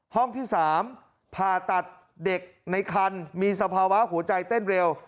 ห้องที่๓ผ่าตัดเด็กในคันมีสภาวะหัวใจเต้นเร็ว